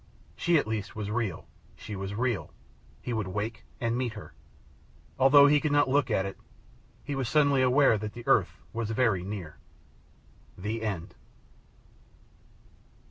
She at least was real. She was real. He would wake and meet her. Although he could not look at it, he was suddenly aware that the earth was very near. THE END.